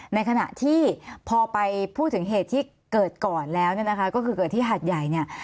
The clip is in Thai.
ในขณะที่พอไปพูดถึงเหตุที่เกิดก่อนแล้วก็คือเกิดที่หัดใหญ่